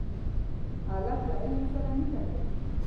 هلک له علم سره مینه لري.